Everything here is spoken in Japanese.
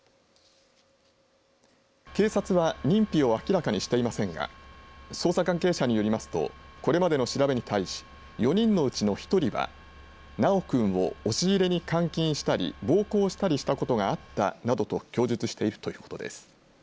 警察は認否を明らかにしていませんが捜査関係者によりますとこれまでの調べに対し４人のうちの１人は修くんを押し入れに監禁したり暴行したりしたことがあったなどと供述しているということです。